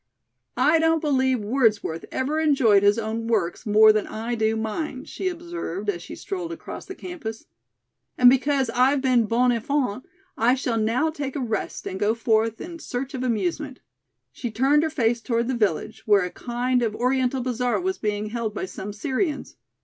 "I don't believe Wordsworth ever enjoyed his own works more than I do mine," she observed, as she strolled across the campus. "And because I've been bon enfant, I shall now take a rest and go forth in search of amusement." She turned her face toward the village, where a kind of Oriental bazaar was being held by some Syrians.